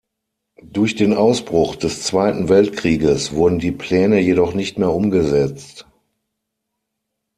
Durch den Ausbruch des Zweiten Weltkrieges wurden die Pläne jedoch nicht mehr umgesetzt.